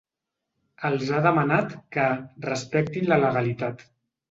Els ha demanat que ‘respectin la legalitat’.